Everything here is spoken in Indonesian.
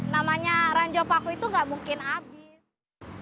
namanya ranjau paku itu gak mungkin habis